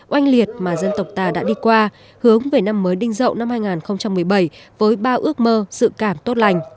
oanh liệt mà dân tộc ta đã đi qua hướng về năm mới đinh dậu năm hai nghìn một mươi bảy với bao ước mơ sự cảm tốt lành